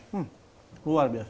hmm luar biasa